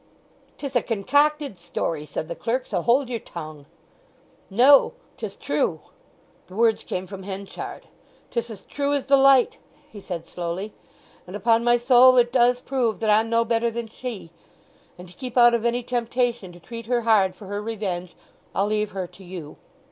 "'Tis a concocted story," said the clerk. "So hold your tongue!" "No—'tis true." The words came from Henchard. "'Tis as true as the light," he said slowly. "And upon my soul it does prove that I'm no better than she! And to keep out of any temptation to treat her hard for her revenge, I'll leave her to you."